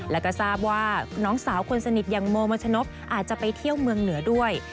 แล้วก็ทราบว่าน้องสาวคนสนิทอย่างโมมัชนกอาจจะไปเที่ยวเมืองเหนือด้วย